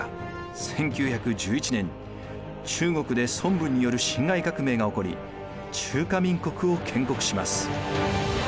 １９１１年中国で孫文による辛亥革命が起こり中華民国を建国します。